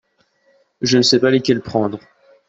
Je ne sais pas lesquelles prendre.